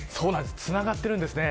つながっているんですね。